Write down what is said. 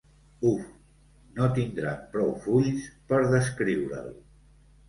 Uf, no tindran prou fulls per descriure'l!